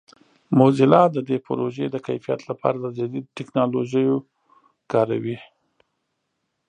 موزیلا د دې پروژې د کیفیت لپاره د جدید ټکنالوژیو کاروي.